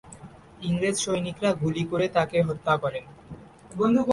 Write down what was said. ইংরেজ সৈনিকরা গুলি করে তাঁকে হত্যা করেন।